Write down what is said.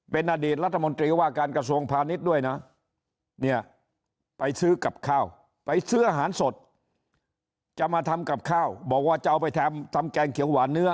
เป็นอดีตรัฐมนตรีว่าการกระทรวงพาณิชย์ด้วยนะเนี่ยไปซื้อกับข้าวไปซื้ออาหารสดจะมาทำกับข้าวบอกว่าจะเอาไปทำแกงเขียวหวานเนื้อ